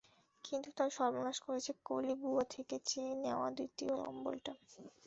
কিন্তু তার সর্বনাশ করেছে কলি বুয়া থেকে চেয়ে নেওয়া দ্বিতীয় কম্বলটা।